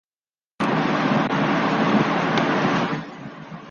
He had students from everywhere, all over the world.